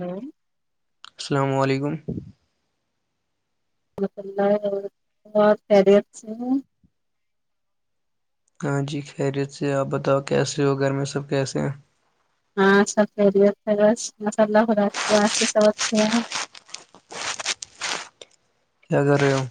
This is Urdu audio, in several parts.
ہلو السلام وعلیکم مم [unintelligible] ریرس خیریت سے ہے ہاں جی خیریت سے آپ بتاؤ کیسے ہو گھر میں سب کیسے ہیں ہاں سب خیریت بس ماشاء اللہ خدا کی دعا سے سب اچھے ہے کیا کر رہے ہو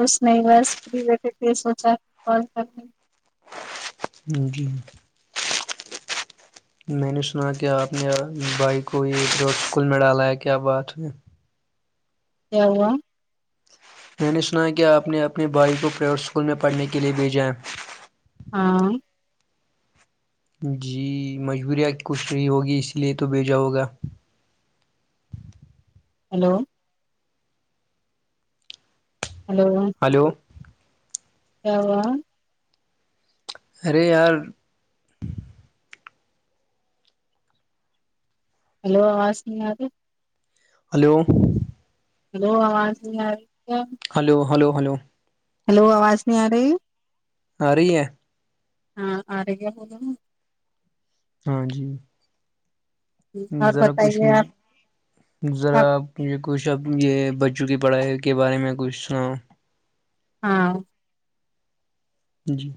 اس نہیں بس ر [unintelligible] ویٹڈ یہ سوچا کال کرکے جی میں نے سنا کہ آپ نے بھائی کو یہ ادھر سکول میں ڈالا ہے کیا بات ہوئی کیا ہوا میں نے سنا ہے کہ آپ نے اپنے بھائی کو پرائیویٹ اسکول میں پڑھنے کے لیے بھیجا ہے ہاں جی مجبوریت کچھ نہیں ہوگی اسی لیے تو بھیجا ہوگا ہیلو ہیلو ہلو کیا ہوا ارے یار ہلو آواز نی آری ہلو ہیلو آواز نی آری کیا ہلو ہلو ہلو ہلو آواز نہیں آ رہی ا رہی ہے ہاں آرہی اب بولو ہاں جی اور ذرا کچھ بتائیے میں آپ ذرا آپ مجھے کچھ اب یہ بچوں کی پڑھائی کے بارے میں کچھ سناؤ ہاں جی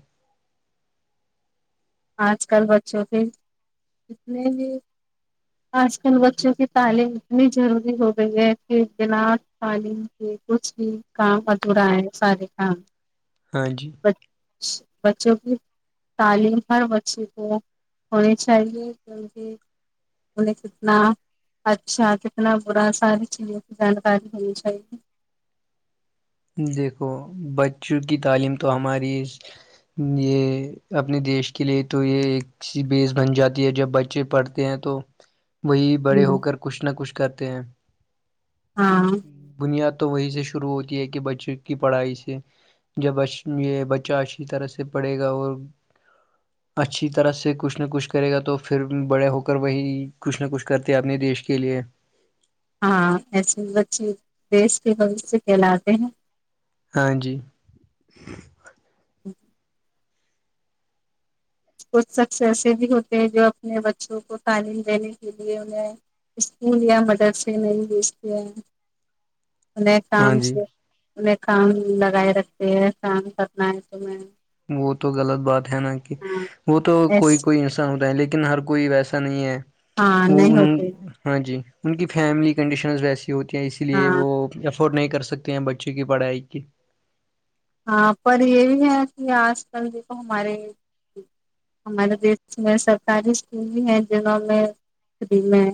آج کل بچوں کے کتنے بھی آج کل بچوں کی تعلیم اتنی ضروری ہو گئی ہے کہ بنا تعلیم کچھ بھی کام ادھورا ہے سارے کام ہاں جی بچ بچوں کی تعلیم ہر بچے کو ہونی چاہیے کیونکہ انہیں کتنا اچھا کتنا برا ساری چیزوں کی جانکاری ہونی چاہیے دیکھو بچوں کی تعلیم تو ہماری یہ اپنے دیش کے لیے تو یہ ایک سی بیس بن جاتی ہے جب بچے پڑھتے ہیں تو وہی بڑے ہوں ہوکر کچھ نہ کچھ کرتے ہیں ہاں بنیاد تو وہی سے شروع ہوتی ہے کہ بچوں کی پڑھائی سے جب بش یہ بچہ اشی طرح سے پڑھے گا اور اچھی طرح سے کچھ نہ کچھ کرے گا تو پھر بڑے ہو کر وہی کچھ نہ کچھ کرتے اپنے دیش کے لیے ہاں ایسے بچے دیش کے بہوش کہلاتے ہیں ہاں جی کچھ شخص ایسے بھی ہوتے ہیں جو اپنے بچوں کو تعلیم دینے کے لیے انہیں اسکول یا مدرسے نہیں بھیجتے ہیں انہیں ہاں کام جی سے انہیں کام لگائے رکھتے ہے کام کرنا ہے تمہیں وہ تو غلط بات ہے نا کہ ہاں وہ تو ایس کوئی کوئی انس لیکن ہر کوئی ویسا نہیں ہے ہاں وہ نہیں ان ہوتے ہاں جی ان کی فیملی کنڈیشنز ویسی ہوتی ہیں اس لیے ہاں وہ افورڈ نہیں کر سکتے ہیں بچوں کی پڑھائی کی ہاں پر یہ بھی ہے کہ آج کل دیکھو ہمارے ہمارے دیش میں سرکاری اسکول بھی ہیں جنہوں میں فری میں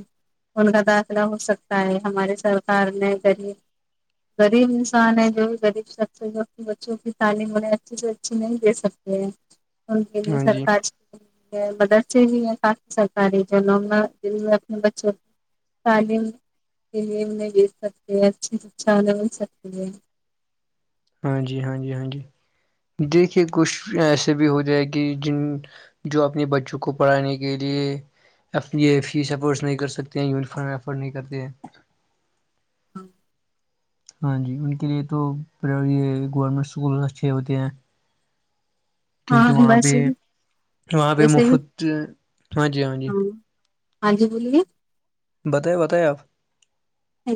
ان کا داخلہ ہو سکتا ہے ہماری سرکار نے غریب غریب انسان ہے جو بھی غریب شخص جو بچوں کی تعلیم انہیں اچھی سے اچھی نہیں دے سکتے ہیں ان کے لیے ہاں جی سرکاری مدرسے بھی ہے کافی سرکاری جو نواپنے بچوں تعلیم کے لیے انہیں دے سکتی ہے اچھے سے اچھا مل سکتی ہے ہاں جی ہاں جی ہاں جی دیکھیے کچھ ایسے بھی ہو جائے کہ جن جو اپنے بچوں کو پڑھانے کے لیے یہ فیس افورڈس نہیں کر سکتے ہیں یونیفارم افورڈ نہیں کرتے ہیں [inaudible] ہاں جی ان کے لیے تو پرائ گورنمنٹ اسکول اچھے ہوتے ہیں کیونکہ ہاں وہاں پہ ویسے بھی وہاں پہ ویسے بھی مفت ہاں جی ہاں جی ہاں جی بولیے بتایں بتایں آپ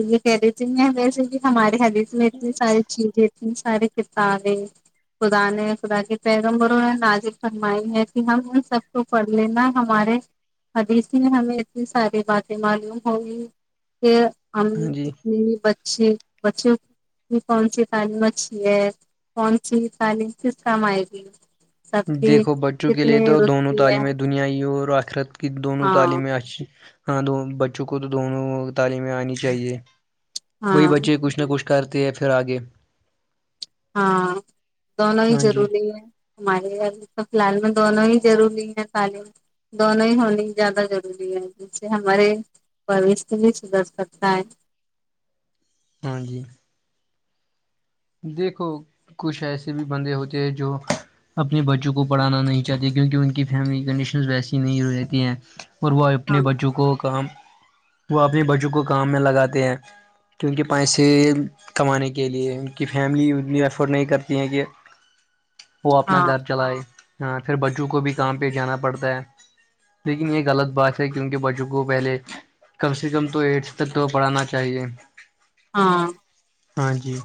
یہ کہہ رہی تھی میں ویسے بھی ہمارے ہابٹس میں اتنی ساری چیزیں سارے کتابیں خدا نے خدا کے پیغمبوروں نے نازل فرمائی ہے کہ ہم ان سب کو پڑھ لینا ہمارے ابھی اسی میں ہمیں اتنی ساری باتیں معلوم ہوگی کہ ہم ہاں جی جتنے بھی بچے بچے کہ کون سی تعلیم اچھی ہے کون سی تعلیم کس کام آئے گی سب کی دیکھو بچوں کے کتنے لیے تو دونوں رتبے ہے تعلیمیں دنیائی اور آخرت کی دونوں ہاں تعلیمیں اچھی ہاں بچوں کو تو دونوں تعلیم آنی چاہیے وہی ہاں بچے کچھ نہ کچھ کرتے ہے پھر آگے ہاں دونوں ہی ہاں جی ضروری ہے ہمارے گھر تو فلحال میں دونوں ہی ضروری ہے تعلیم دونوں ہی ہونی زیادہ ضروری ہے جیس سے ہمارے پروش ت بھی سدر سکتا ہے ہاں جی دیکھو کچھ ایسے بھی بندے ہوتے ہیں جو اپنے بچوں کو پڑھانا نہیں چاہتے کیونکہ ان کی فیملی کنڈیشنز ویسی نہیں رہتی ہیں اور وہ ہاں اپنے بچوں کو کام وہ اپنی بچوں کو کام میں لگاتے ہیں کیونکہ پیسے کمانے کے لیے کی فیملی اتنی افورڈ نہیں کرتی ہیں کہ وہ اپنا ہاں گھر چلائے ہاں پھر بچوں کو بھی کام پہ جانا پڑتا ہے لیکن یہ غلط بات ہے کیوکنہ بچوں کو پہلے کم سے کم تو ایٹتھ تک تو پڑھانا چاہیے ہاں ہاں جی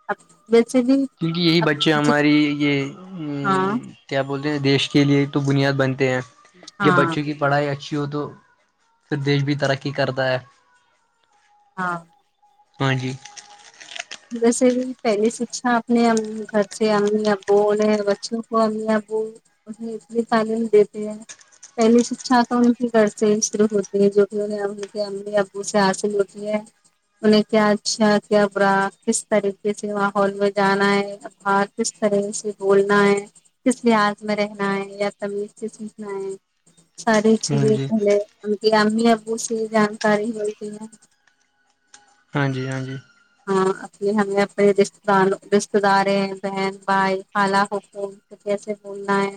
[unintelligible] کیونکہ یہی بچے اب ہماری یہ ا ہاں کیا بولتے ہیں دیش کے لیے تو بنیاد بنتے ہیں یہ ہاں بچوں کی پڑھائی اچھی ہو تو پھر دیش بھی ترقی کرتا ہے ہاں ہاں جی ویسے بھی پہلی شکچھا اپنے گھر سے امی ابو بول ہیں بچوں کو امی ابو [unintelligible] پہلی شکشا تو ان کے گھر سے ہی شروع ہوتی ہے جو کہ انہیں ان کے امی ابو سے حاصل ہوتی ہے انہیں کیا اچھا کیا برا کس طریقے سے ماحول میں جانا ہے باہر کس طرح سے بولنا ہے کس لحاظ میں رہنا ہے یا تمیز سے سیکھنا ہے سارے ہاں چیزے جی پہلے انکی امی ابو سے جانکاری ہو کہ ہاں جی ہاں جی ہاں ا ہمیں اپنے رشہ دار رشتہ داریں بہن بھائی خالا پھوپھو کیسے بولنا ہے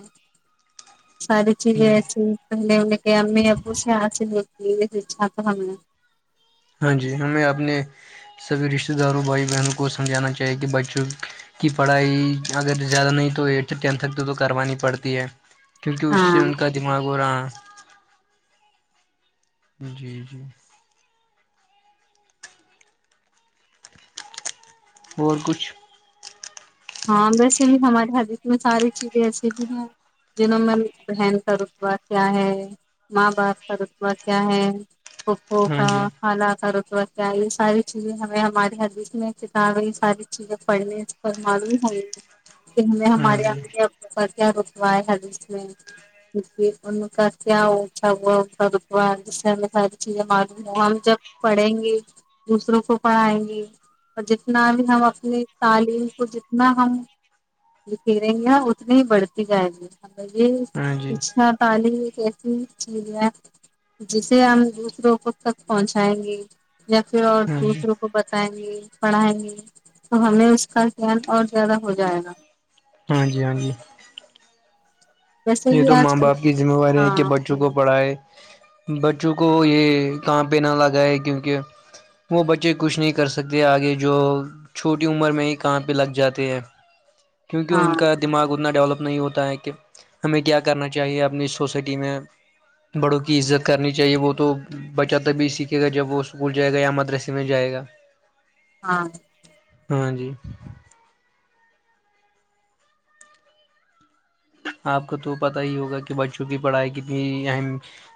سارے ہ [unintelligible] ہاں جی ہمیں اپنے سبھی رشتے داروں بھائی بہنوں کو سمجھانا چاہیے کہ بچوں کی پڑھائی اگر زیادہ نہیں تو ایٹھ ٹینتھ تک تو تو کروانی پڑتی ہے کیونکہ اس سے ہاں ان کا دماغ ہو رہا جی جی اور کچھ ہاں ویسے بھی ہمارے حدیث میں ساری چیزیں ایسیے بھی ہیں جنوں میں بہن کا رتبہ کیا ہے ماں باپ کا رتبہ کیا ہے پھوپھو ہاں کا جی خالا کا رتبہ کیا ہے یہ ساری چیزیں ہمیں ہماری حدیث میں کتابیں یہ ساری چیزیں پڑھنے اس پر معلوم ہوں کہ ہمیں ہاں ہمارے جی امی ابو کا کیا رتبہ ہے حدیث میں کیہ ان کا کیا اونچھا ہوا ان کا رتبہ جس سے ہمیں ساری چیزیں معلوم ہوں ہم جب پڑھیں گے دوسروں کو پڑھائیں گے اور جتنا بھی ہم اپنی تعلیم کو جتنا ہم لکھی رہیں گے اتنی ہی بڑھتی جائے گی یہ ہاں جی اچھا تعلیم یہ کیسی چیز ہے جسے ہم دوسروں کو تک پہنچائیں گے یا پھر اور ہاں جی دوسروں کو بتائیں گے پڑھائیں گے تو ہمیں اس کا گیان اور زیادہ ہو جائے گا ہاں جی ہاں جی ویسے یہ بھی تو ماں آج باپ کی ذمہ واری ہے کہ ہاں بچوں کو پڑھائے بچوں کو یہ کام پہ نہ لگا ہے کیونکہ وہ بچے کچھ نہیں کر سکتے آگے جو چھوٹی عمر میں ہی کام پہ لگ جاتے ہیں کیونکہ ان ہاں کا دماغ اتنا ڈیولپ نہیں ہوتا ہے کہ ہمیں کیا کرنا چاہیے اپنی سوسائٹی میں بڑوں کی عزت کرنی چاہیے وہ تو بچہ تبھی سیکھے گا جب وہ اسکول جائے گا یا مدرسے میں جائے گا [inaudible] ہاں ہاں جی آپ کو تو پتا ہی ہوگا کہ بچوں کی پڑھائی کتنی اہم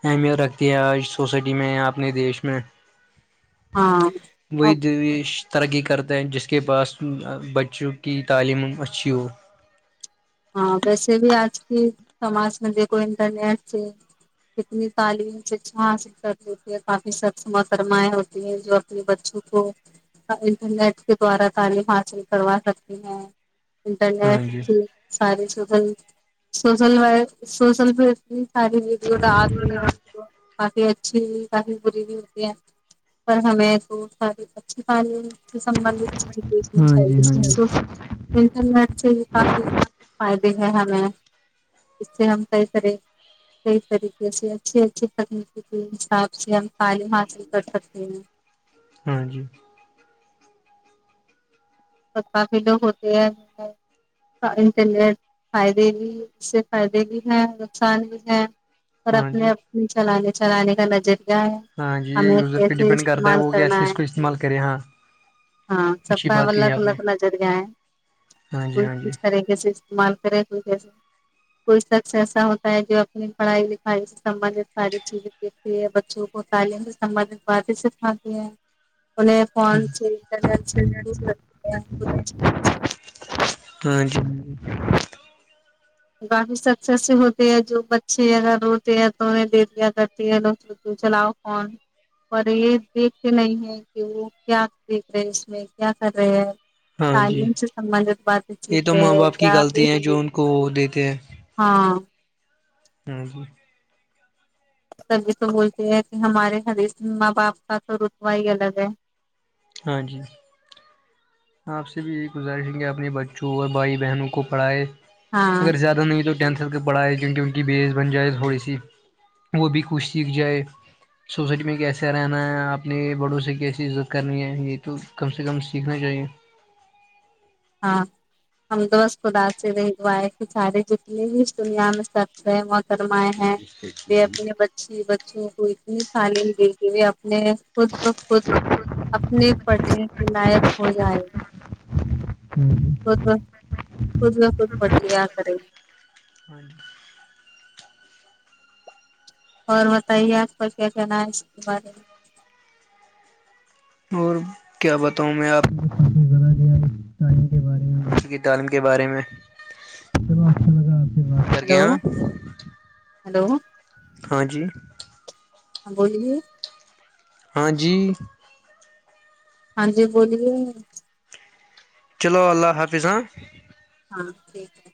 اہمیت رکھتی ہے آج سوسائٹی میں یا اپنے دیش میں ہاں وہی اور دیش ترقی کرتا ہے جس کے پاس بچوں کی تعلیم اچھی ہو ہاں ویسے بھی آج کی سماج میں دیکھو کوئی انٹرنیٹ سے کتنی تعلیم شکچھا حاصل کر لیتی ہے کافی سخت محترمائے ہوتی ہیں جو اپنے بچوں کو انٹرنیٹ کے دوارا تعلیم حاصل کروا سکتے ہیں ہاں جی [unintelligible] یہ ساری ویڈیو ڈالتے ہیں ہم کو کافی اچھی کافی ہاں جی ہاں جی [unintelligible] [unintelligible] فائدے ہیں ہمیں اس سے ہم کئی طرح کئی طریقے سے اچھی اچھی تکنیکی کے حساب سے ھم تعلیم حاصل کریں کر سکتے ہیں ہاں جی بس کافی لوگ ہوتے ہیں اور انٹرنیٹ فائدے بھی اس سے فائدے بھی ہیں نقصان بھی ہیں اور ہاں جی اپنے اپنے چلانے چلانے کا نظر یہ ہے ہاں جی یہ ہمیں یوزر پہ کیسے ڈیپینڈ کرتا ہے استعمال وہ کیسے کرنا اس ہے کو استعمال کرے ہاں ہاں سب اچھی کا بات کہی الگ آپ نے الگ نظر یہ ہے ہاں جی ہاں جی اس طریقے سے [unintelligible] کوئی شخص ایسا ہوتا ہے جو اپنی پڑھائی لکھائی سے سبندت ساری چیزیں دیتی ہے بچوں کو تعلیم سے سمبندہت باتیں سکھاتے ہیں فون سے انٹرنیٹ سے ہیں پوری چیز سے۔ ہاں جی کافی سکسیس ہوتے ہیں جو بچے اگر روتے ہیں تو انہیں دے دیا کرتی ہے چلاؤ فون اور یہ دیکھتے نہیں ہے کہ وہ کیا دیکھ رہے اس میں کیا کر رہے ہیں ہاں جی تعلیم سے سمبندتھ باتیں ٹھیک یہ تو ہے ماں باپ کی غلطی ہیں جو [unintelligible] ان کو دیتے ہے ہاں ہمم تبھی تو بولتے ہیں کہ ہمارے ہری ماں باپ کا تو رتبہ ہی الگ ہے ہاں جی آپ سے بھی یہی گزارش ہے کہ اپنے بچوں اور بھائی بہنوں کو پڑھائے ہاں اگر زیادہ نہیں تو ٹینتھ کے پڑھائے کیونکہ ان کی بیس بن جائے تھوڑی سی وہ بھی کچھ سیکھ جائے سوسائٹی میں کیسے رہنا ہے اپنے بڑوں سے کیسی عزت کرنی ہے یہ تو کم سے کم سیکھنا چاہیے ہاں ہم تو اس خدا سے [unintelligible] فرمائے ہیں یہ اپنے بچی بچوں کو اتنی تعلیم دیں کہ اپنے خود بہ خود اپنے پڑھنے کے لائق ہو جائیں [inaudible] خود بہ خود خود بہ خود پڑھ لیا کریں [inaudible] اور بتائیے آپ کا کیا کہنا ہے اس کے بارے میں اور کیا بتاؤں میں آپ کو [unintelligible] کی تعلیم کے بارے میں سے بات کر کے ہلو ہاں ہلو ہاں جی ہاں بولیے ہاں جی ہاں جی بولیے چلو اللہ حافظ ہاں ہاں ٹھیک ہے